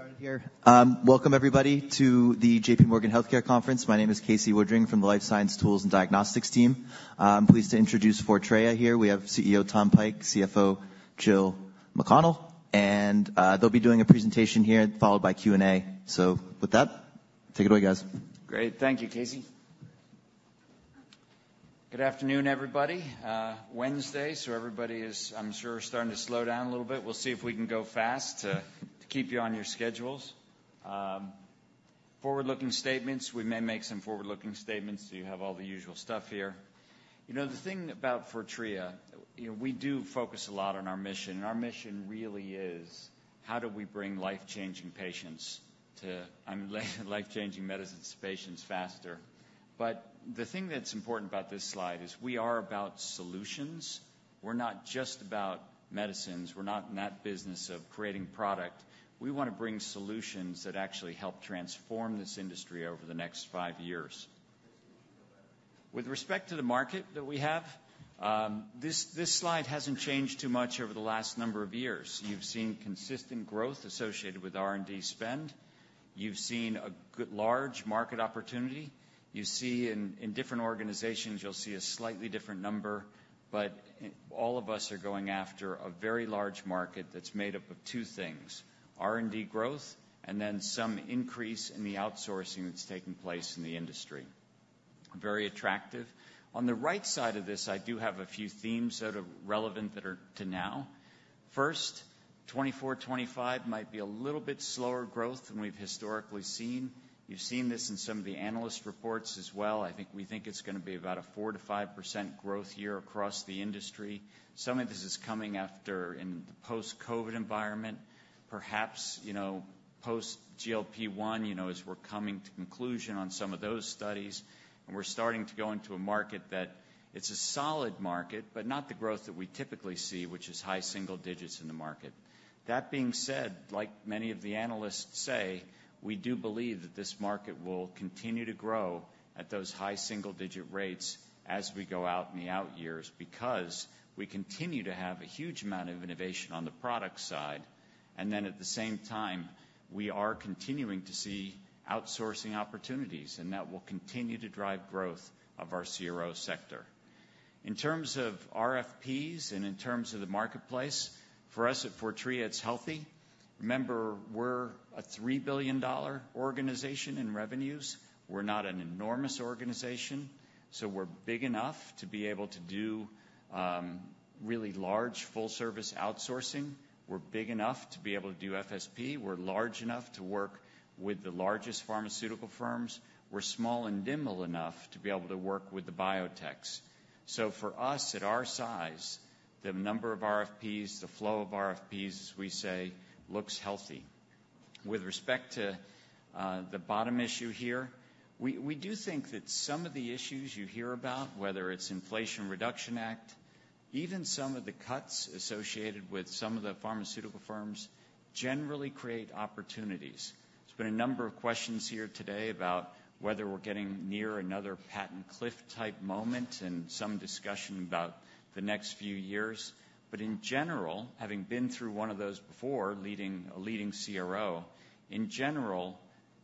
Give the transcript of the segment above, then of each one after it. starting here. Welcome everybody to the JPMorgan Healthcare Conference. My name is Casey Woodring from the Life Science Tools and Diagnostics team. I'm pleased to introduce Fortrea here. We have CEO, Tom Pike, CFO, Jill McConnell, and they'll be doing a presentation here, followed by Q&A. So with that, take it away, guys. Great. Thank you, Casey. Good afternoon, everybody. Wednesday, so everybody is, I'm sure, starting to slow down a little bit. We'll see if we can go fast to keep you on your schedules. Forward-looking statements. We may make some forward-looking statements, so you have all the usual stuff here. You know, the thing about Fortrea, you know, we do focus a lot on our mission, and our mission really is: how do we bring life-changing patients to, life-changing medicines to patients faster? But the thing that's important about this slide is we are about solutions. We're not just about medicines, we're not in that business of creating product. We want to bring solutions that actually help transform this industry over the next five years. With respect to the market that we have, this, this slide hasn't changed too much over the last number of years You've seen consistent growth associated with R&D spend. You've seen a large market opportunity. You see in different organizations, you'll see a slightly different number, but all of us are going after a very large market that's made up of two things: R&D growth, and then some increase in the outsourcing that's taking place in the industry. Very attractive. On the right side of this, I do have a few themes that are relevant that are to now. First, 2024, 2025 might be a little bit slower growth than we've historically seen. You've seen this in some of the analyst reports as well. I think we think it's gonna be about a 4%-5% growth year across the industry. Some of this is coming after in the post-COVID environment. Perhaps, you know, post-GLP-1, you know, as we're coming to conclusion on some of those studies, and we're starting to go into a market that it's a solid market, but not the growth that we typically see, which is high-single-digits in the market. That being said, like many of the analysts say, we do believe that this market will continue to grow at those high single-digit rates as we go out in the out years, because we continue to have a huge amount of innovation on the product side, and then at the same time, we are continuing to see outsourcing opportunities, and that will continue to drive growth of our CRO sector. In terms of RFPs and in terms of the marketplace, for us at Fortrea, it's healthy. Remember, we're a $3 billion organization in revenues. We're not an enormous organization, so we're big enough to be able to do really large full-service outsourcing. We're big enough to be able to do FSP. We're large enough to work with the largest pharmaceutical firms. We're small and nimble enough to be able to work with the biotechs. So for us, at our size, the number of RFPs, the flow of RFPs, as we say, looks healthy. With respect to the bottom issue here, we do think that some of the issues you hear about, whether it's Inflation Reduction Act, even some of the cuts associated with some of the pharmaceutical firms, generally create opportunities. There's been a number of questions here today about whether we're getting near another patent cliff-type moment, and some discussion about the next few years. But in general, having been through one of those before, leading a leading CRO, in general,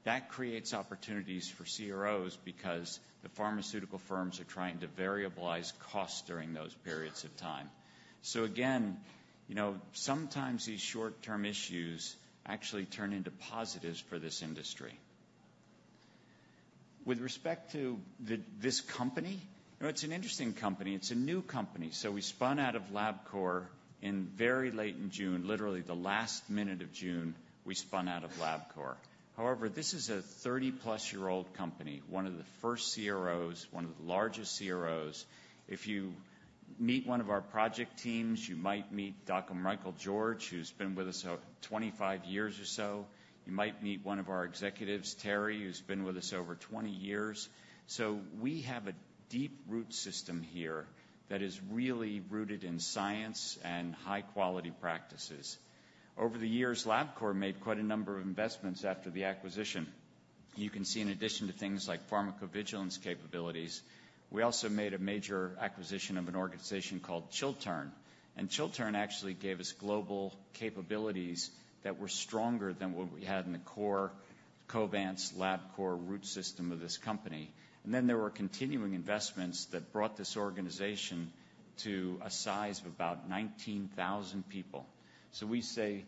that creates opportunities for CROs because the pharmaceutical firms are trying to variabilize costs during those periods of time. So again, you know, sometimes these short-term issues actually turn into positives for this industry. With respect to the, this company, you know, it's an interesting company. It's a new company, so we spun out of Labcorp in very late in June. Literally, the last minute of June, we spun out of Labcorp. However, this is a 30+-year-old company, one of the first CROs, one of the largest CROs. If you meet one of our project teams, you might meet Dr. Michael George, who's been with us, 25 years or so. You might meet one of our executives, Terry, who's been with us over 20 years. So we have a deep root system here that is really rooted in science and high-quality practices. Over the years, Labcorp made quite a number of investments after the acquisition. You can see in addition to things like pharmacovigilance capabilities, we also made a major acquisition of an organization called Chiltern, and Chiltern actually gave us global capabilities that were stronger than what we had in the core, Covance, Labcorp root system of this company. And then there were continuing investments that brought this organization to a size of about 19,000 people. So we say,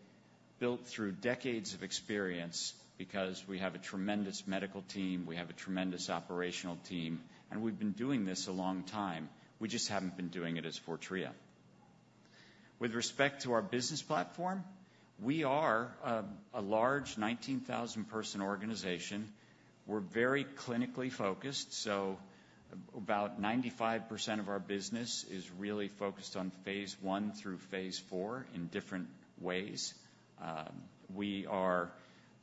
built through decades of experience, because we have a tremendous medical team, we have a tremendous operational team, and we've been doing this a long time. We just haven't been doing it as Fortrea. With respect to our business platform, we are, a large 19,000-person organization. We're very clinically focused, so about 95% of our business is really focused on phase I through phase IV in different ways. We are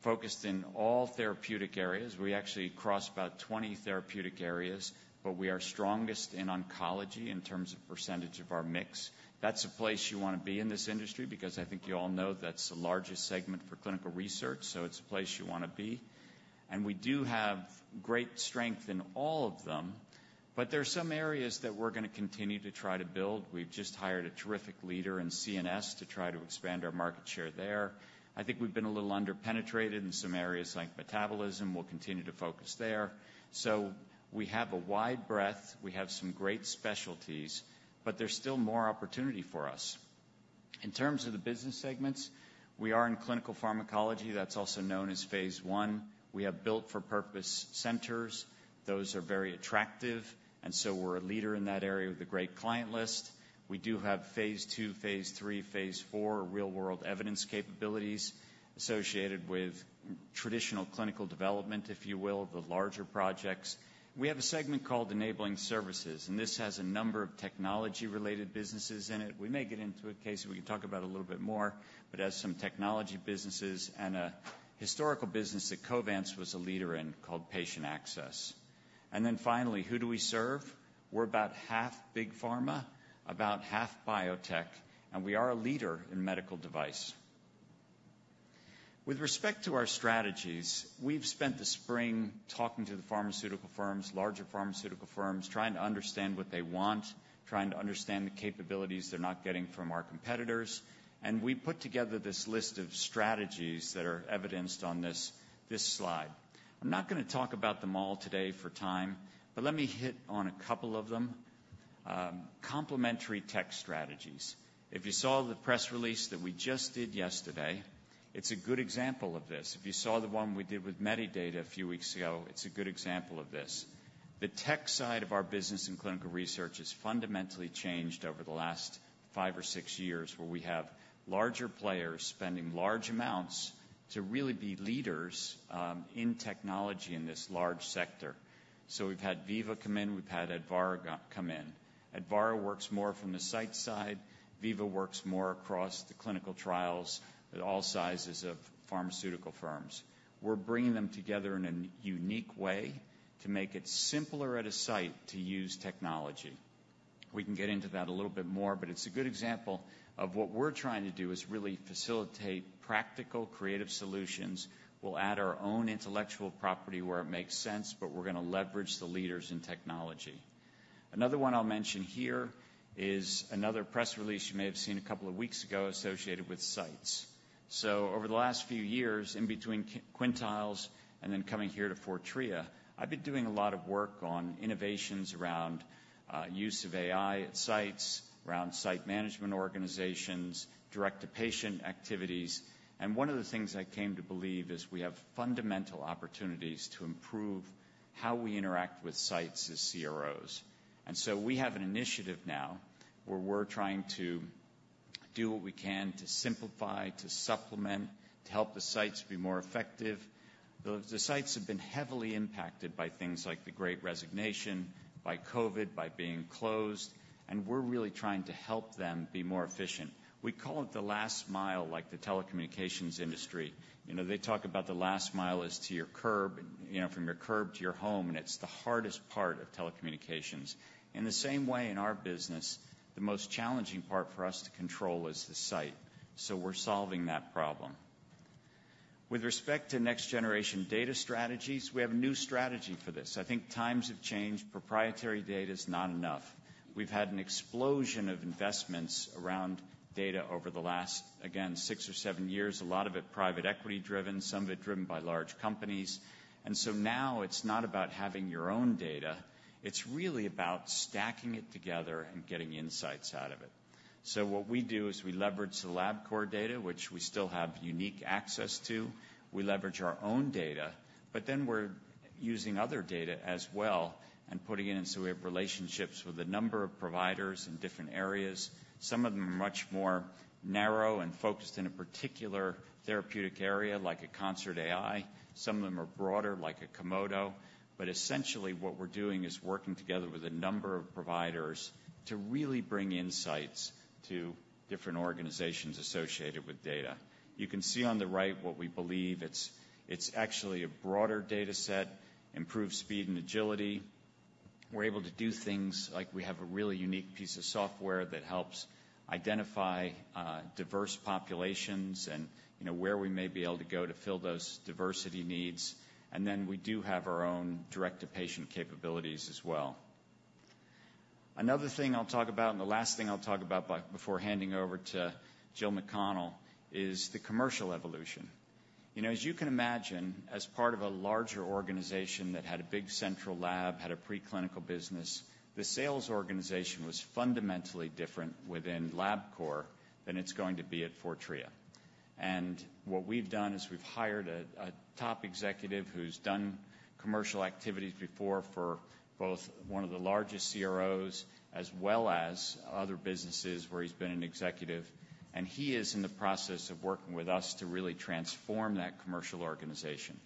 focused in all therapeutic areas. We actually cross about 20 therapeutic areas, but we are strongest in oncology in terms of percentage of our mix. That's a place you wanna be in this industry, because I think you all know that's the largest segment for clinical research, so it's a place you wanna be. And we do have great strength in all of them. But there are some areas that we're gonna continue to try to build. We've just hired a terrific leader in CNS to try to expand our market share there. I think we've been a little under-penetrated in some areas like metabolism. We'll continue to focus there. So we have a wide breadth, we have some great specialties, but there's still more opportunity for us. In terms of the business segments, we are in clinical pharmacology, that's also known as Phase I. We have built-for-purpose centers. Those are very attractive, and so we're a leader in that area with a great client list. We do have Phase II, Phase III, Phase IV real-world evidence capabilities associated with traditional clinical development, if you will, the larger projects. We have a segment called Enabling Services, and this has a number of technology-related businesses in it. We may get into a case where we can talk about a little bit more, but it has some technology businesses and a historical business that Covance was a leader in, called Patient Access. And then finally, who do we serve? We're about half Big Pharma, about half biotech, and we are a leader in medical device. With respect to our strategies, we've spent the spring talking to the pharmaceutical firms, larger pharmaceutical firms, trying to understand what they want, trying to understand the capabilities they're not getting from our competitors. We put together this list of strategies that are evidenced on this slide. I'm not gonna talk about them all today for time, but let me hit on a couple of them. Complementary tech strategies. If you saw the press release that we just did yesterday, it's a good example of this. If you saw the one we did with Medidata a few weeks ago, it's a good example of this. The tech side of our business and clinical research has fundamentally changed over the last five or six years, where we have larger players spending large amounts to really be leaders in technology in this large sector. So we've had Veeva come in, we've had Advarra come in. Advarra works more from the site side, Veeva works more across the clinical trials at all sizes of pharmaceutical firms. We're bringing them together in a unique way to make it simpler at a site to use technology. We can get into that a little bit more, but it's a good example of what we're trying to do, is really facilitate practical, creative solutions. We'll add our own intellectual property where it makes sense, but we're gonna leverage the leaders in technology. Another one I'll mention here is another press release you may have seen a couple of weeks ago associated with sites. So over the last few years, in between Quintiles and then coming here to Fortrea, I've been doing a lot of work on innovations around use of AI at sites, around site management organizations, direct-to-patient activities. And one of the things I came to believe is we have fundamental opportunities to improve how we interact with sites as CROs. And so we have an initiative now, where we're trying to do what we can to simplify, to supplement, to help the sites be more effective. The sites have been heavily impacted by things like the Great Resignation, by COVID, by being closed, and we're really trying to help them be more efficient. We call it the last mile, like the telecommunications industry. You know, they talk about the last mile as to your curb, you know, from your curb to your home, and it's the hardest part of telecommunications. In the same way, in our business, the most challenging part for us to control is the site, so we're solving that problem. With respect to next-generation data strategies, we have a new strategy for this. I think times have changed. Proprietary data is not enough. We've had an explosion of investments around data over the last, again, six or seven years, a lot of it private equity-driven, some of it driven by large companies. And so now it's not about having your own data, it's really about stacking it together and getting insights out of it. So what we do is we leverage the Labcorp data, which we still have unique access to. We leverage our own data, but then we're using other data as well and putting it in. So we have relationships with a number of providers in different areas. Some of them are much more narrow and focused in a particular therapeutic area, like a ConcertAI. Some of them are broader, like a Komodo. But essentially, what we're doing is working together with a number of providers to really bring insights to different organizations associated with data. You can see on the right what we believe. It's, it's actually a broader data set, improved speed and agility. We're able to do things like we have a really unique piece of software that helps identify, diverse populations and, you know, where we may be able to go to fill those diversity needs. And then we do have our own direct-to-patient capabilities as well. Another thing I'll talk about, and the last thing I'll talk about before handing over to Jill McConnell, is the commercial evolution. You know, as you can imagine, as part of a larger organization that had a big central lab, had a preclinical business, the sales organization was fundamentally different within Labcorp than it's going to be at Fortrea. And what we've done is we've hired a, a top executive who's done commercial activities before for both one of the largest CROs, as well as other businesses where he's been an executive. And he is in the process of working with us to really transform that commercial organization.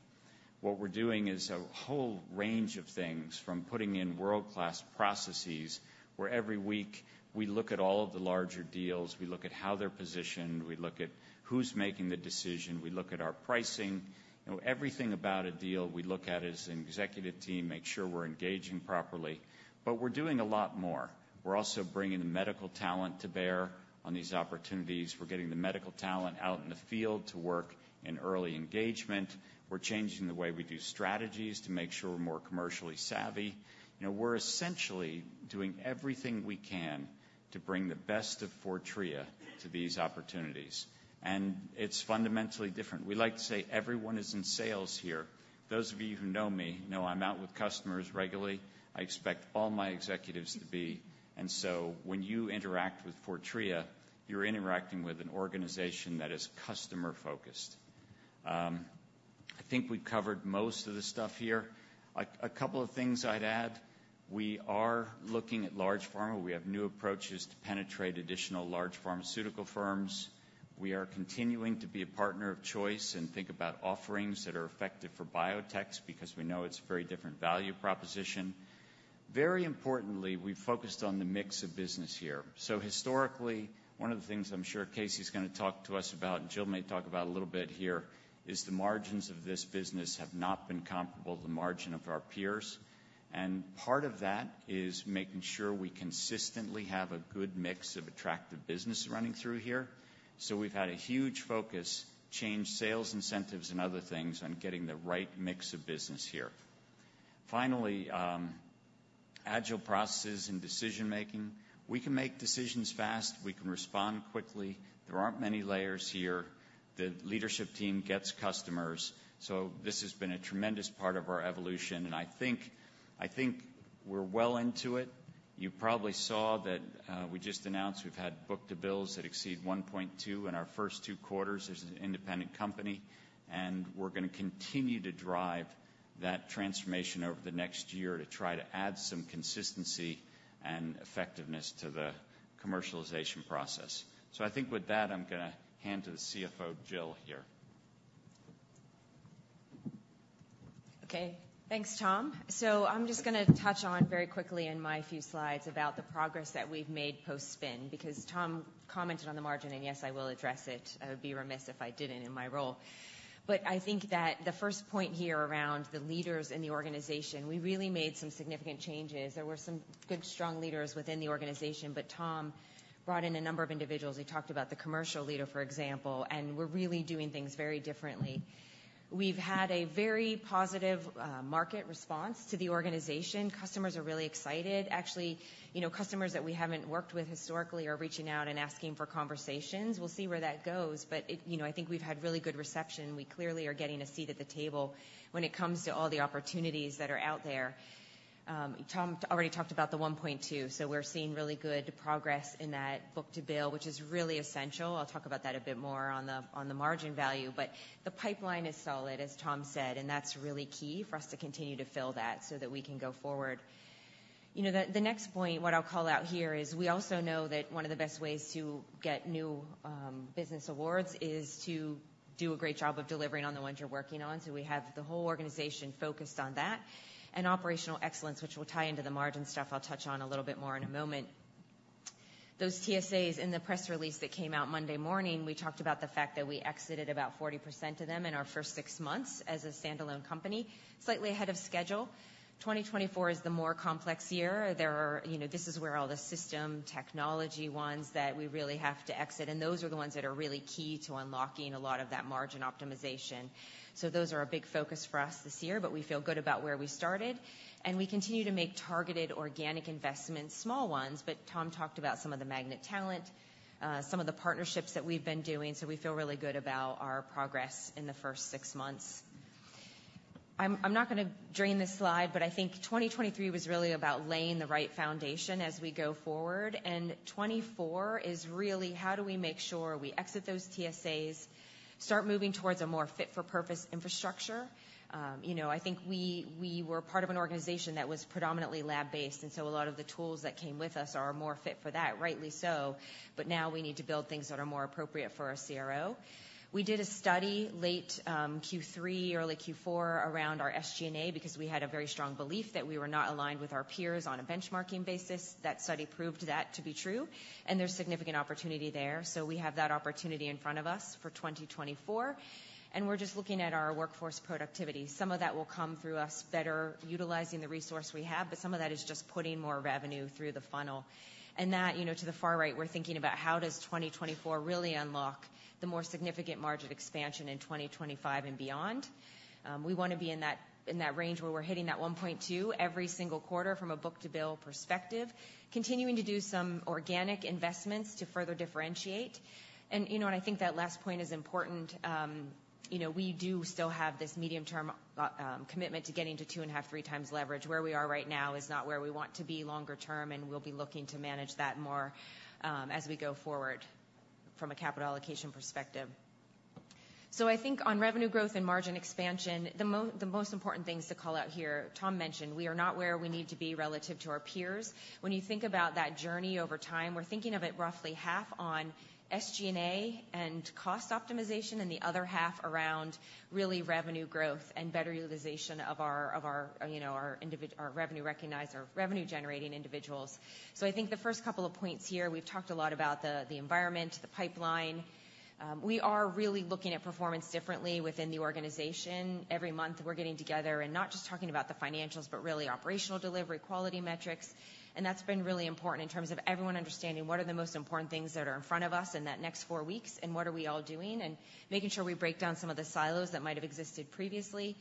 What we're doing is a whole range of things, from putting in world-class processes, where every week we look at all of the larger deals, we look at how they're positioned, we look at who's making the decision, we look at our pricing. You know, everything about a deal, we look at as an executive team, make sure we're engaging properly. But we're doing a lot more. We're also bringing the medical talent to bear on these opportunities. We're getting the medical talent out in the field to work in early engagement. We're changing the way we do strategies to make sure we're more commercially savvy. You know, we're essentially doing everything we can to bring the best of Fortrea to these opportunities, and it's fundamentally different. We like to say everyone is in sales here.... Those of you who know me know I'm out with customers regularly. I expect all my executives to be. And so when you interact with Fortrea, you're interacting with an organization that is customer-focused. I think we've covered most of the stuff here. A couple of things I'd add. We are looking at large pharma. We have new approaches to penetrate additional large pharmaceutical firms. We are continuing to be a partner of choice and think about offerings that are effective for biotechs, because we know it's a very different value proposition. Very importantly, we've focused on the mix of business here. So historically, one of the things I'm sure Casey's gonna talk to us about, and Jill may talk about a little bit here, is the margins of this business have not been comparable to the margin of our peers. And part of that is making sure we consistently have a good mix of attractive business running through here. So we've had a huge focus, change sales incentives and other things on getting the right mix of business here. Finally, agile processes in decision making. We can make decisions fast. We can respond quickly. There aren't many layers here. The leadership team gets customers, so this has been a tremendous part of our evolution, and I think, I think we're well into it. You probably saw that, we just announced we've had book-to-bills that exceed 1.2 in our first two quarters as an independent company, and we're gonna continue to drive that transformation over the next year to try to add some consistency and effectiveness to the commercialization process. So I think with that, I'm gonna hand to the CFO, Jill, here. Okay. Thanks, Tom. So I'm just gonna touch on very quickly in my few slides about the progress that we've made post-spin, because Tom commented on the margin, and yes, I will address it. I would be remiss if I didn't in my role. But I think that the first point here around the leaders in the organization, we really made some significant changes. There were some good, strong leaders within the organization, but Tom brought in a number of individuals. He talked about the commercial leader, for example, and we're really doing things very differently. We've had a very positive market response to the organization. Customers are really excited. Actually, you know, customers that we haven't worked with historically are reaching out and asking for conversations. We'll see where that goes, but it, you know, I think we've had really good reception. We clearly are getting a seat at the table when it comes to all the opportunities that are out there. Tom already talked about the 1.2, so we're seeing really good progress in that book-to-bill, which is really essential. I'll talk about that a bit more on the margin value, but the pipeline is solid, as Tom said, and that's really key for us to continue to fill that so that we can go forward. You know, the next point, what I'll call out here, is we also know that one of the best ways to get new business awards is to do a great job of delivering on the ones you're working on, so we have the whole organization focused on that, and operational excellence, which will tie into the margin stuff I'll touch on a little bit more in a moment. Those TSAs in the press release that came out Monday morning, we talked about the fact that we exited about 40% of them in our first six months as a standalone company, slightly ahead of schedule. 2024 is the more complex year. There are. You know, this is where all the system technology ones that we really have to exit, and those are the ones that are really key to unlocking a lot of that margin optimization. So those are a big focus for us this year, but we feel good about where we started, and we continue to make targeted organic investments, small ones, but Tom talked about some of the magnet talent, some of the partnerships that we've been doing, so we feel really good about our progress in the first six months. I'm not gonna dwell on this slide, but I think 2023 was really about laying the right foundation as we go forward, and 2024 is really how do we make sure we exit those TSAs, start moving towards a more fit-for-purpose infrastructure? You know, I think we, we were part of an organization that was predominantly lab-based, and so a lot of the tools that came with us are more fit for that, rightly so, but now we need to build things that are more appropriate for a CRO. We did a study late Q3, early Q4, around our SG&A because we had a very strong belief that we were not aligned with our peers on a benchmarking basis. That study proved that to be true, and there's significant opportunity there, so we have that opportunity in front of us for 2024, and we're just looking at our workforce productivity. Some of that will come through us better utilizing the resource we have, but some of that is just putting more revenue through the funnel. And that, you know, to the far right, we're thinking about how does 2024 really unlock the more significant margin expansion in 2025 and beyond? We wanna be in that, in that range where we're hitting that 1.2 every single quarter from a book-to-bill perspective, continuing to do some organic investments to further differentiate. And, you know, and I think that last point is important. You know, we do still have this medium-term, commitment to getting to 2.5-3 times leverage. Where we are right now is not where we want to be longer term, and we'll be looking to manage that more as we go forward from a capital allocation perspective. So I think on revenue growth and margin expansion, the most important things to call out here, Tom mentioned we are not where we need to be relative to our peers. When you think about that journey over time, we're thinking of it roughly half on SG&A and cost optimization, and the other half around really revenue growth and better utilization of our, you know, our revenue-generating individuals. So I think the first couple of points here, we've talked a lot about the environment, the pipeline. We are really looking at performance differently within the organization. Every month, we're getting together and not just talking about the financials, but really operational delivery, quality metrics, and that's been really important in terms of everyone understanding what are the most important things that are in front of us in that next four weeks, and what are we all doing, and making sure we break down some of the silos that might have existed previously.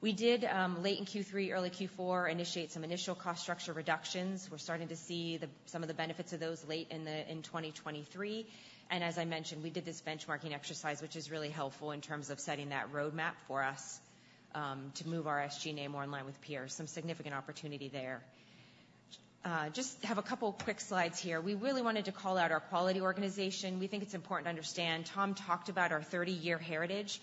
We did, late in Q3, early Q4, initiate some initial cost structure reductions. We're starting to see some of the benefits of those late in 2023. As I mentioned, we did this benchmarking exercise, which is really helpful in terms of setting that roadmap for us to move our SG&A more in line with peers. Some significant opportunity there. Just have a couple quick slides here. We really wanted to call out our quality organization. We think it's important to understand. Tom talked about our 30-year heritage.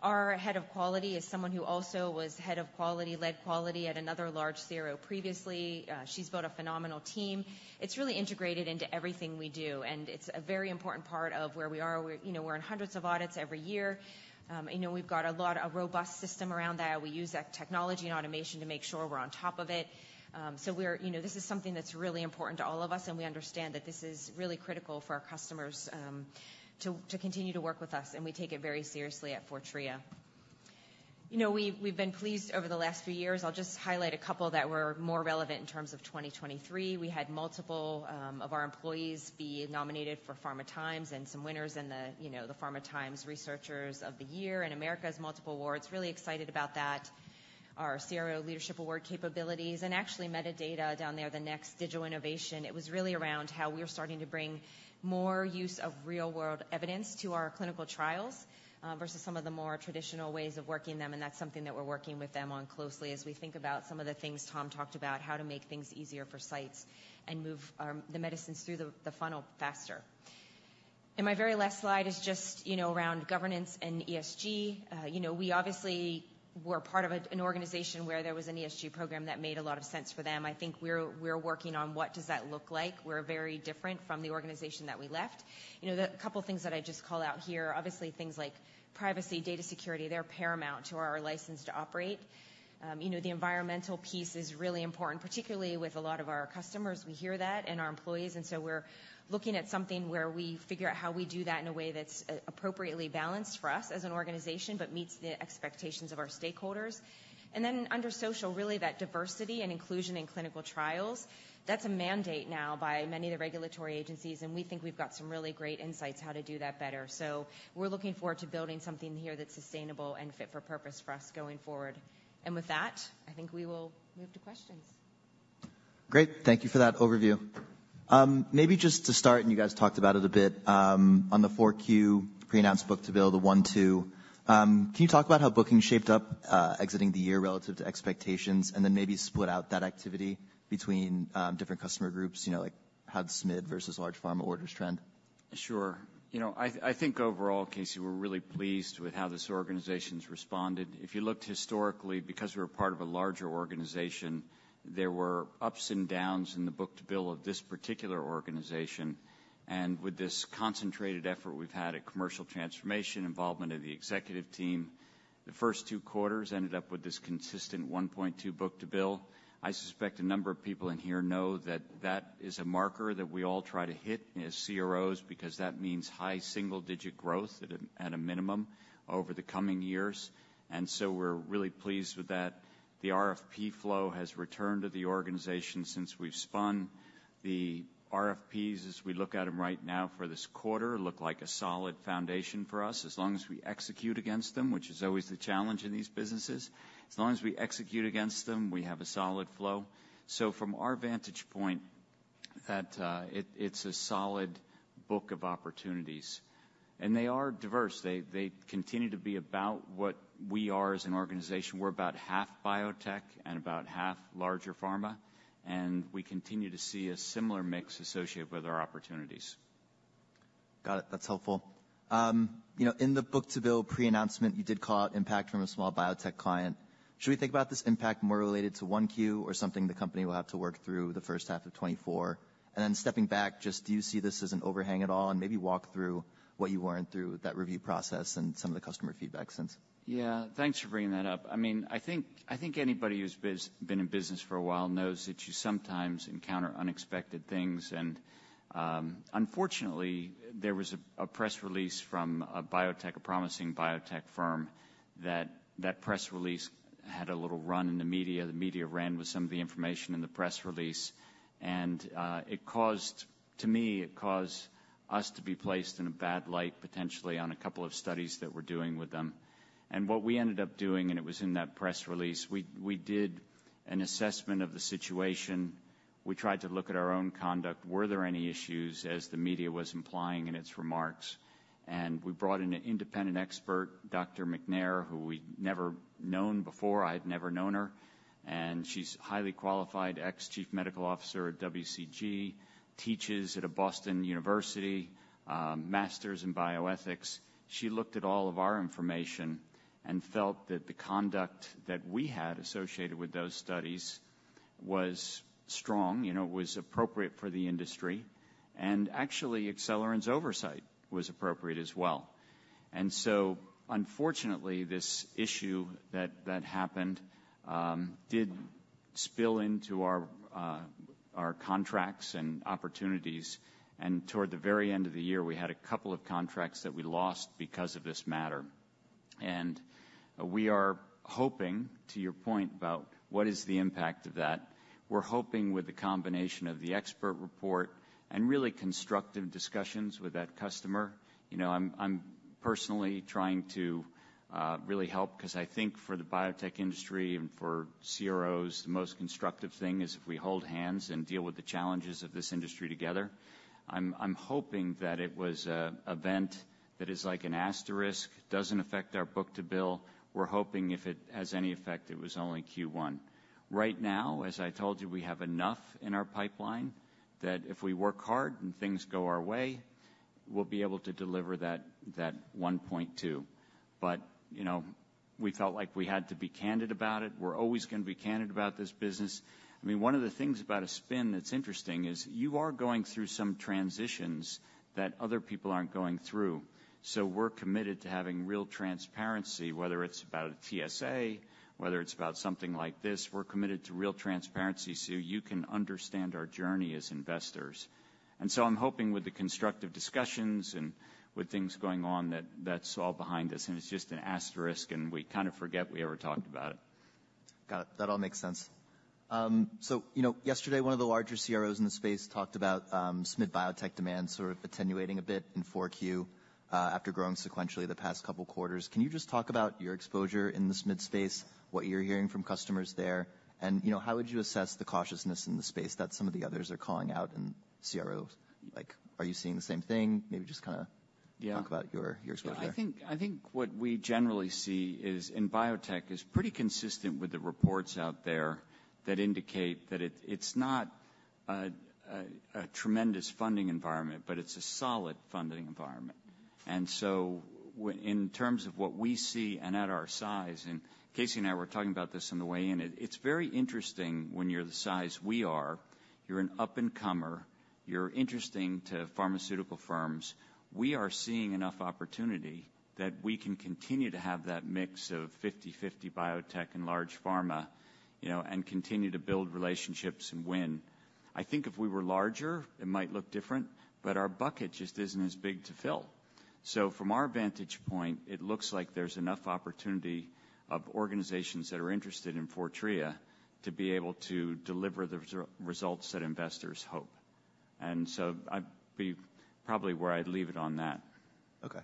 Our head of quality is someone who also was head of quality, led quality at another large CRO previously. She's built a phenomenal team. It's really integrated into everything we do, and it's a very important part of where we are. You know, we're in hundreds of audits every year. You know, we've got a robust system around that. We use that technology and automation to make sure we're on top of it. You know, this is something that's really important to all of us, and we understand that this is really critical for our customers to continue to work with us, and we take it very seriously at Fortrea. You know, we've been pleased over the last few years. I'll just highlight a couple that were more relevant in terms of 2023. We had multiple of our employees be nominated for PharmaTimes and some winners in the, you know, the PharmaTimes Researchers of the Year and America's Multiple Awards. Really excited about that. Our CRO Leadership Award capabilities and actually Medidata down there, the next digital innovation. It was really around how we are starting to bring more use of real-world evidence to our clinical trials versus some of the more traditional ways of working them, and that's something that we're working with them on closely as we think about some of the things Tom talked about, how to make things easier for sites and move the medicines through the, the funnel faster. And my very last slide is just, you know, around governance and ESG. You know, we obviously were part of an organization where there was an ESG program that made a lot of sense for them. I think we're working on what does that look like. We're very different from the organization that we left. You know, the couple of things that I just call out here, obviously, things like privacy, data security, they're paramount to our license to operate. You know, the environmental piece is really important, particularly with a lot of our customers. We hear that and our employees, and so we're looking at something where we figure out how we do that in a way that's appropriately balanced for us as an organization, but meets the expectations of our stakeholders. And then under social, really, that diversity and inclusion in clinical trials, that's a mandate now by many of the regulatory agencies, and we think we've got some really great insights how to do that better. So we're looking forward to building something here that's sustainable and fit for purpose for us going forward. And with that, I think we will move to questions. Great. Thank you for that overview. Maybe just to start, and you guys talked about it a bit, on the 4Q pre-announced book-to-bill, the 1.2. Can you talk about how booking shaped up, exiting the year relative to expectations, and then maybe split out that activity between, different customer groups? You know, like, how did small versus large pharma orders trend? Sure. You know, I, I think overall, Casey, we're really pleased with how this organization's responded. If you looked historically, because we were part of a larger organization, there were ups and downs in the book-to-bill of this particular organization. With this concentrated effort we've had at commercial transformation, involvement of the executive team, the first 2 quarters ended up with this consistent 1.2 book-to-bill. I suspect a number of people in here know that that is a marker that we all try to hit as CROs, because that means high single digit growth at a, at a minimum over the coming years. So we're really pleased with that. The RFP flow has returned to the organization since we've spun. The RFPs, as we look at them right now for this quarter, look like a solid foundation for us, as long as we execute against them, which is always the challenge in these businesses. As long as we execute against them, we have a solid flow. So from our vantage point, that, it, it's a solid book of opportunities, and they are diverse. They, they continue to be about what we are as an organization. We're about half biotech and about half larger pharma, and we continue to see a similar mix associated with our opportunities. Got it. That's helpful. You know, in the Book-to-Bill pre-announcement, you did call out impact from a small biotech client. Should we think about this impact more related to one Q or something the company will have to work through the first half of 2024? And then stepping back, just do you see this as an overhang at all? And maybe walk through what you learned through that review process and some of the customer feedback since. Yeah, thanks for bringing that up. I mean, I think, I think anybody who's been in business for a while knows that you sometimes encounter unexpected things, and, unfortunately, there was a press release from a biotech, a promising biotech firm, that press release had a little run in the media. The media ran with some of the information in the press release, and, it caused... To me, it caused us to be placed in a bad light, potentially on a couple of studies that we're doing with them. And what we ended up doing, and it was in that press release, we did an assessment of the situation. We tried to look at our own conduct. Were there any issues, as the media was implying in its remarks? And we brought in an independent expert, Dr. McNair, who we've never known before. I'd never known her, and she's a highly qualified ex-chief medical officer at WCG, teaches at a Boston University, master's in bioethics. She looked at all of our information and felt that the conduct that we had associated with those studies was strong, you know, it was appropriate for the industry, and actually, Acceleron's oversight was appropriate as well. And so unfortunately, this issue that happened did spill into our our contracts and opportunities, and toward the very end of the year, we had a couple of contracts that we lost because of this matter. We are hoping, to your point about what is the impact of that, we're hoping with the combination of the expert report and really constructive discussions with that customer, you know, I'm, I'm personally trying to really help, because I think for the biotech industry and for CROs, the most constructive thing is if we hold hands and deal with the challenges of this industry together. I'm, I'm hoping that it was event that is like an asterisk, doesn't affect our book-to-bill. We're hoping if it has any effect, it was only Q1. Right now, as I told you, we have enough in our pipeline that if we work hard and things go our way, we'll be able to deliver that, that 1.2. But, you know, we felt like we had to be candid about it. We're always gonna be candid about this business. I mean, one of the things about a spin that's interesting is you are going through some transitions that other people aren't going through. So we're committed to having real transparency, whether it's about a TSA, whether it's about something like this, we're committed to real transparency so you can understand our journey as investors. And so I'm hoping with the constructive discussions and with things going on, that that's all behind us, and it's just an asterisk, and we kind of forget we ever talked about it. Got it. That all makes sense. So, you know, yesterday, one of the larger CROs in the space talked about, SMid biotech demand sort of attenuating a bit in Q4, after growing sequentially the past couple quarters. Can you just talk about your exposure in the SMid space, what you're hearing from customers there? And, you know, how would you assess the cautiousness in the space that some of the others are calling out in CROs? Like, are you seeing the same thing? Maybe just kinda- Yeah. talk about your, your exposure. I think what we generally see is, in biotech, is pretty consistent with the reports out there that indicate that it's not a tremendous funding environment, but it's a solid funding environment. So in terms of what we see and at our size, and Casey and I were talking about this on the way in, it's very interesting when you're the size we are. You're an up-and-comer, you're interesting to pharmaceutical firms. We are seeing enough opportunity that we can continue to have that mix of 50/50 biotech and large pharma, you know, and continue to build relationships and win. I think if we were larger, it might look different, but our bucket just isn't as big to fill. So from our vantage point, it looks like there's enough opportunity of organizations that are interested in Fortrea to be able to deliver the results that investors hope. And so I'd be probably where I'd leave it on that. Okay.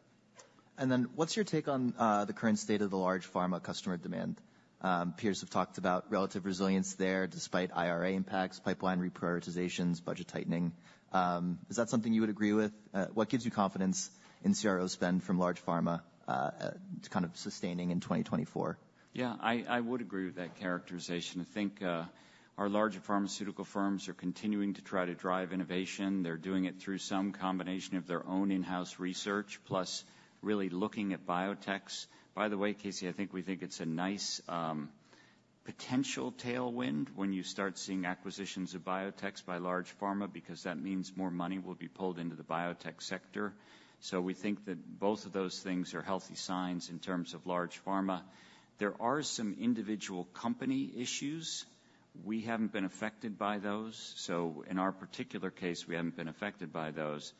What's your take on the current state of the large pharma customer demand? Peers have talked about relative resilience there, despite IRA impacts, pipeline reprioritizations, budget tightening. Is that something you would agree with? What gives you confidence in CRO spend from large pharma kind of sustaining in 2024? Yeah, I would agree with that characterization. I think, our larger pharmaceutical firms are continuing to try to drive innovation. They're doing it through some combination of their own in-house research, plus really looking at biotechs. By the way, Casey, I think we think it's a nice, potential tailwind when you start seeing acquisitions of biotechs by large pharma, because that means more money will be pulled into the biotech sector. So we think that both of those things are healthy signs in terms of large pharma. There are some individual company issues. We haven't been affected by those, so in our particular case, we haven't been affected by those.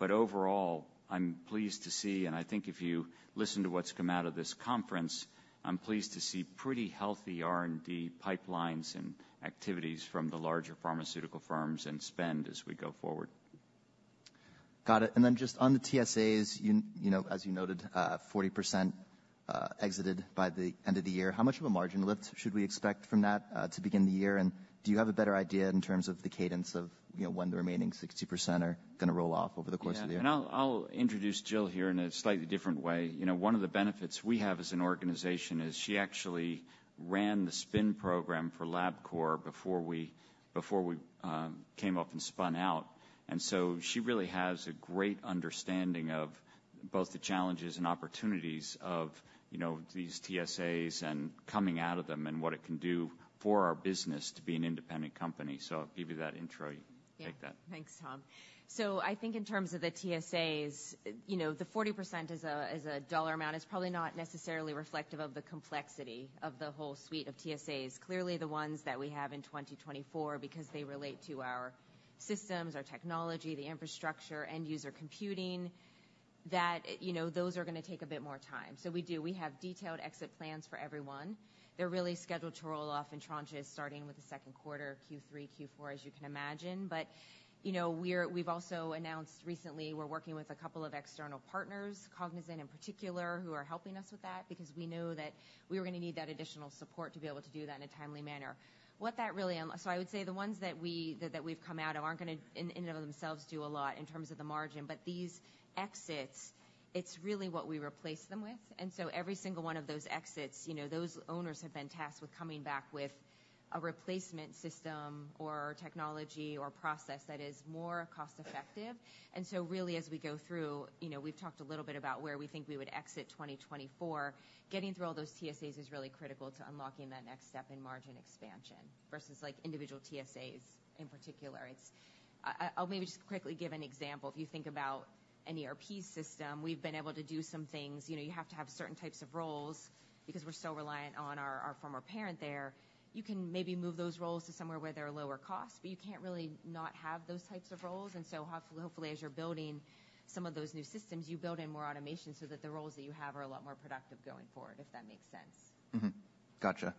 Overall, I'm pleased to see, and I think if you listen to what's come out of this conference, I'm pleased to see pretty healthy R&D pipelines and activities from the larger pharmaceutical firms and spend as we go forward. Got it. And then just on the TSAs, you- you know, as you noted, 40% exited by the end of the year. How much of a margin lift should we expect from that, to begin the year? And do you have a better idea in terms of the cadence of, you know, when the remaining 60% are gonna roll off over the course of the year? Yeah, and I'll introduce Jill here in a slightly different way. You know, one of the benefits we have as an organization is she actually ran the spin program for Labcorp before we came up and spun out. And so she really has a great understanding of both the challenges and opportunities of, you know, these TSAs and coming out of them, and what it can do for our business to be an independent company. So I'll give you that intro. You take that. Yeah. Thanks, Tom. So I think in terms of the TSAs, you know, the 40% as a, as a dollar amount, is probably not necessarily reflective of the complexity of the whole suite of TSAs. Clearly, the ones that we have in 2024, because they relate to our systems, our technology, the infrastructure, end user computing, that, you know, those are gonna take a bit more time. So we do, we have detailed exit plans for everyone. They're really scheduled to roll off in tranches, starting with the second quarter, Q3, Q4, as you can imagine. But, you know, we're, we've also announced recently we're working with a couple of external partners, Cognizant in particular, who are helping us with that, because we know that we were gonna need that additional support to be able to do that in a timely manner. What that really so I would say the ones that we've come out of aren't gonna in and of themselves, do a lot in terms of the margin, but these exits, it's really what we replace them with. And so every single one of those exits, you know, those owners have been tasked with coming back with a replacement system or technology or process that is more cost-effective. And so really, as we go through, you know, we've talked a little bit about where we think we would exit 2024. Getting through all those TSAs is really critical to unlocking that next step in margin expansion versus, like, individual TSAs in particular. It's. I'll maybe just quickly give an example. If you think about an ERP system, we've been able to do some things. You know, you have to have certain types of roles because we're so reliant on our former parent there. You can maybe move those roles to somewhere where they're lower cost, but you can't really not have those types of roles. And so hopefully, as you're building some of those new systems, you build in more automation so that the roles that you have are a lot more productive going forward, if that makes sense. Mm-hmm. Gotcha.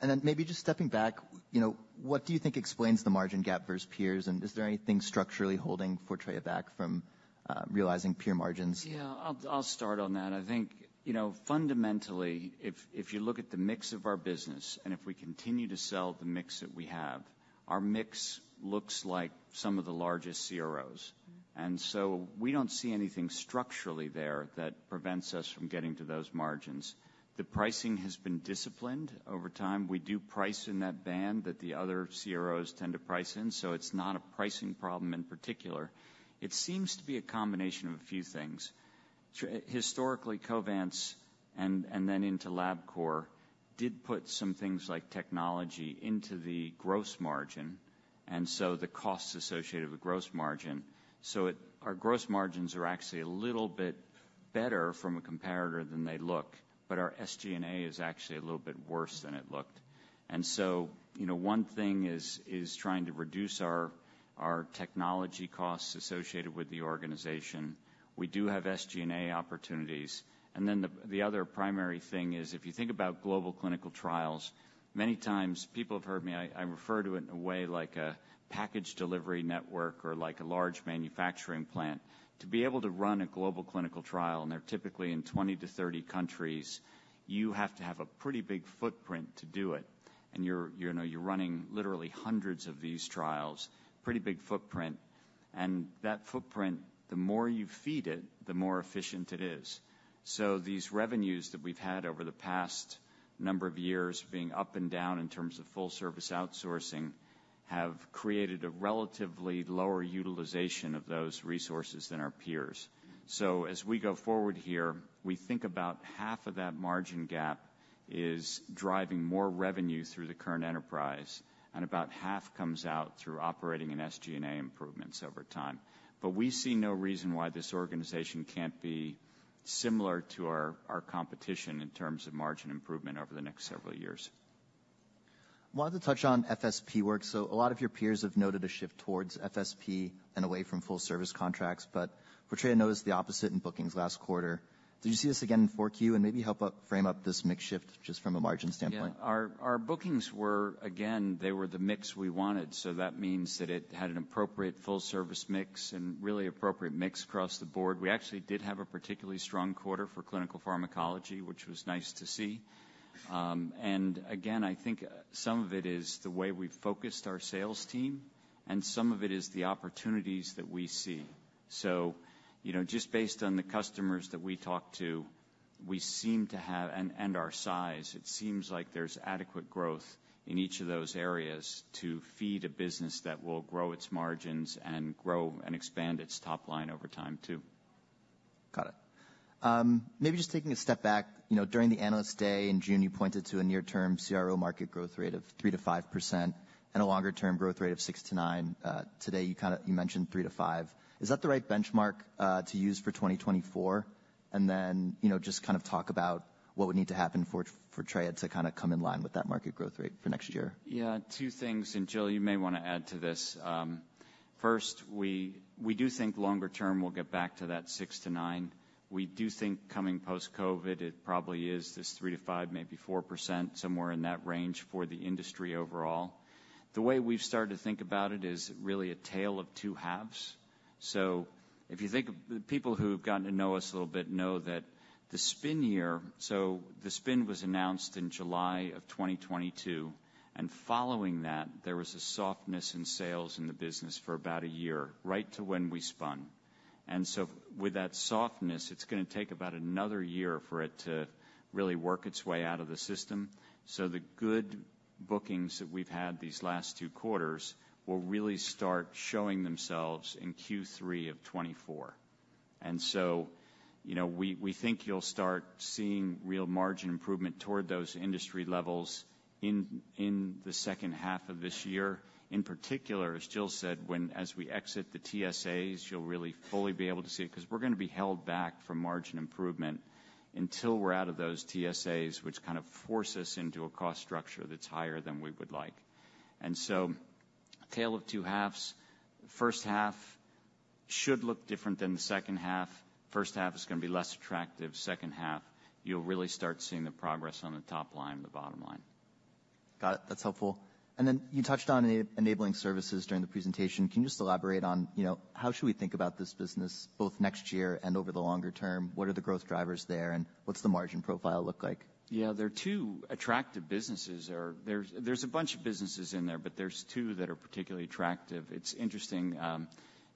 And then maybe just stepping back, you know, what do you think explains the margin gap versus peers? And is there anything structurally holding Fortrea back from realizing peer margins? Yeah, I'll start on that. I think, you know, fundamentally, if you look at the mix of our business and if we continue to sell the mix that we have, our mix looks like some of the largest CROs. Mm-hmm. And so we don't see anything structurally there that prevents us from getting to those margins. The pricing has been disciplined over time. We do price in that band that the other CROs tend to price in, so it's not a pricing problem in particular. It seems to be a combination of a few things. Historically, Covance, and then into Labcorp, did put some things like technology into the gross margin, and so the costs associated with gross margin. So our gross margins are actually a little bit better from a comparator than they look, but our SG&A is actually a little bit worse than it looked. And so, you know, one thing is trying to reduce our technology costs associated with the organization. We do have SG&A opportunities. Then the other primary thing is, if you think about global clinical trials, many times people have heard me, I refer to it in a way like a package delivery network or like a large manufacturing plant. To be able to run a global clinical trial, and they're typically in 20-30 countries, you have to have a pretty big footprint to do it. And you know, you're running literally hundreds of these trials, pretty big footprint. And that footprint, the more you feed it, the more efficient it is. So these revenues that we've had over the past number of years, being up and down in terms of full service outsourcing, have created a relatively lower utilization of those resources than our peers. So as we go forward here, we think about half of that margin gap is driving more revenue through the current enterprise, and about half comes out through operating in SG&A improvements over time. But we see no reason why this organization can't be similar to our competition in terms of margin improvement over the next several years. I wanted to touch on FSP work. So a lot of your peers have noted a shift towards FSP and away from full service contracts, but we're trying to notice the opposite in bookings last quarter. Did you see this again in Q4, and maybe help frame up this mix shift just from a margin standpoint? Yeah. Our, our bookings were... Again, they were the mix we wanted, so that means that it had an appropriate full service mix and really appropriate mix across the board. We actually did have a particularly strong quarter for clinical pharmacology, which was nice to see. And again, I think some of it is the way we've focused our sales team, and some of it is the opportunities that we see. So, you know, just based on the customers that we talk to, we seem to have and, and our size, it seems like there's adequate growth in each of those areas to feed a business that will grow its margins and grow and expand its top line over time, too. Got it. Maybe just taking a step back. You know, during the Analyst Day in June, you pointed to a near-term CRO market growth rate of 3%-5% and a longer-term growth rate of 6-9. Today, you kinda-- you mentioned 3-5. Is that the right benchmark to use for 2024? And then, you know, just kind of talk about what would need to happen for Fortrea to kinda come in line with that market growth rate for next year. Yeah, two things, and Jill, you may wanna add to this. First, we do think longer term, we'll get back to that 6%-9%. We do think coming post-COVID, it probably is this 3%-5%, maybe 4%, somewhere in that range for the industry overall. The way we've started to think about it is really a tale of two halves. So if you think, the people who have gotten to know us a little bit know that the spin year. So the spin was announced in July 2022, and following that, there was a softness in sales in the business for about a year, right to when we spun. And so with that softness, it's gonna take about another year for it to really work its way out of the system. So the good bookings that we've had these last two quarters will really start showing themselves in Q3 of 2024. And so, you know, we think you'll start seeing real margin improvement toward those industry levels in the second half of this year. In particular, as Jill said, as we exit the TSAs, you'll really fully be able to see it, 'cause we're gonna be held back from margin improvement until we're out of those TSAs, which kind of force us into a cost structure that's higher than we would like. And so tale of two halves. First half should look different than the second half. First half is gonna be less attractive. Second half, you'll really start seeing the progress on the top line and the bottom line. Got it. That's helpful. And then you touched on enabling services during the presentation. Can you just elaborate on, you know, how should we think about this business both next year and over the longer term? What are the growth drivers there, and what's the margin profile look like? Yeah, there are two attractive businesses there. There's a bunch of businesses in there, but there's two that are particularly attractive. It's interesting,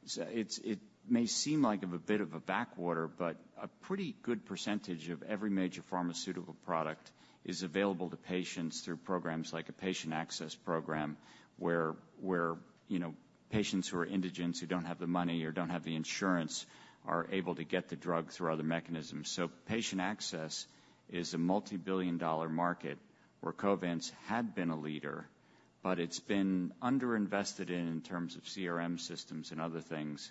so it may seem like a bit of a backwater, but a pretty good percentage of every major pharmaceutical product is available to patients through programs like a patient access program, where, you know, patients who are indigent, who don't have the money or don't have the insurance, are able to get the drug through other mechanisms. So patient access is a multibillion-dollar market where Covance had been a leader, but it's been underinvested in terms of CRM systems and other things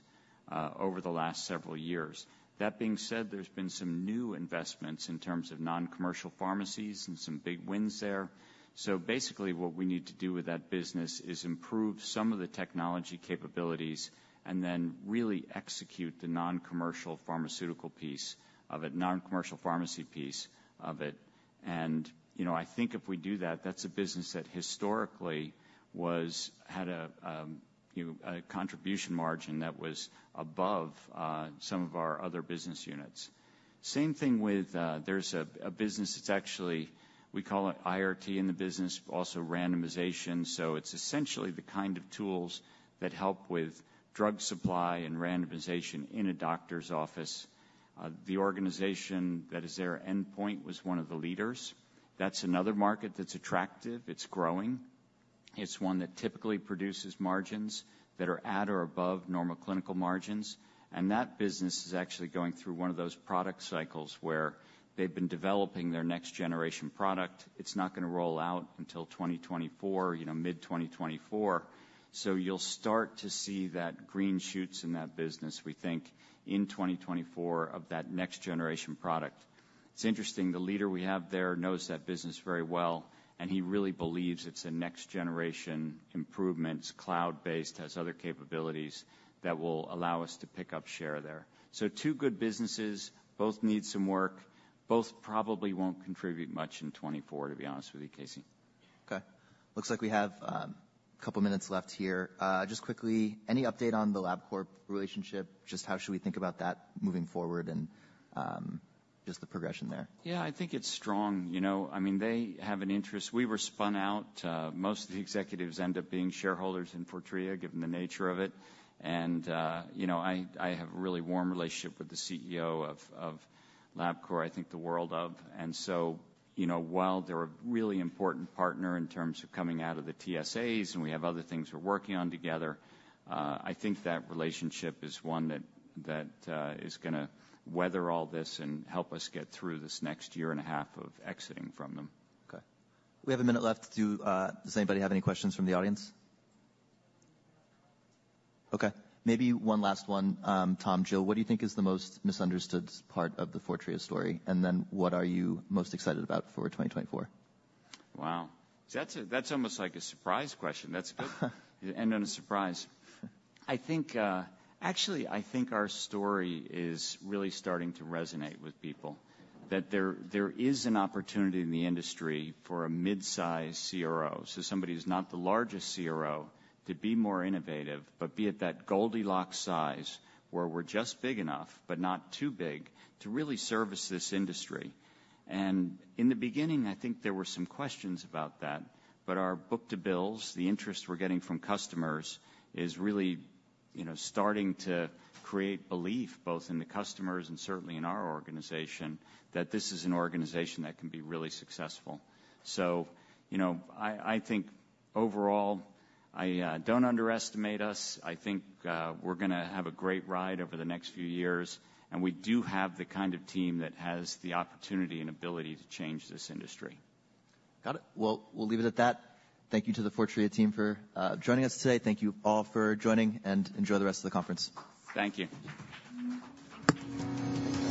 over the last several years. That being said, there's been some new investments in terms of non-commercial pharmacies and some big wins there. So basically, what we need to do with that business is improve some of the technology capabilities and then really execute the non-commercial pharmaceutical piece of it, non-commercial pharmacy piece of it. And, you know, I think if we do that, that's a business that historically had, you know, a contribution margin that was above some of our other business units. Same thing with... There's a business that's actually, we call it IRT in the business, but also randomization. So it's essentially the kind of tools that help with drug supply and randomization in a doctor's office. The organization that is their Endpoint Clinical was one of the leaders. That's another market that's attractive. It's growing.... It's one that typically produces margins that are at or above normal clinical margins, and that business is actually going through one of those product cycles where they've been developing their next generation product. It's not gonna roll out until 2024, you know, mid-2024. So you'll start to see that green shoots in that business, we think, in 2024 of that next generation product. It's interesting, the leader we have there knows that business very well, and he really believes it's a next generation improvement. It's cloud-based, has other capabilities that will allow us to pick up share there. So two good businesses, both need some work. Both probably won't contribute much in 2024, to be honest with you, Casey. Okay. Looks like we have a couple of minutes left here. Just quickly, any update on the Labcorp relationship? Just how should we think about that moving forward and just the progression there? Yeah, I think it's strong. You know, I mean, they have an interest. We were spun out, most of the executives end up being shareholders in Fortrea, given the nature of it. And, you know, I have a really warm relationship with the CEO of Labcorp, I think the world of. And so, you know, while they're a really important partner in terms of coming out of the TSAs, and we have other things we're working on together, I think that relationship is one that is gonna weather all this and help us get through this next year and a half of exiting from them. Okay. We have a minute left to do. Does anybody have any questions from the audience? Okay, maybe one last one. Tom, Jill, what do you think is the most misunderstood part of the Fortrea story, and then what are you most excited about for 2024? Wow, that's almost like a surprise question. That's good. End on a surprise. I think... Actually, I think our story is really starting to resonate with people, that there is an opportunity in the industry for a mid-size CRO. So somebody who's not the largest CRO to be more innovative, but be at that Goldilocks size, where we're just big enough, but not too big, to really service this industry. And in the beginning, I think there were some questions about that, but our book-to-bill, the interest we're getting from customers is really, you know, starting to create belief, both in the customers and certainly in our organization, that this is an organization that can be really successful. So, you know, I think overall, I don't underestimate us. I think, we're gonna have a great ride over the next few years, and we do have the kind of team that has the opportunity and ability to change this industry. Got it. Well, we'll leave it at that. Thank you to the Fortrea team for joining us today. Thank you all for joining, and enjoy the rest of the conference. Thank you.